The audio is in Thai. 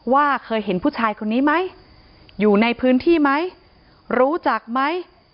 ว่าเคยเห็นผู้ชายคนนี้ไหมอยู่ในพื้นที่ไหมรู้จักไหม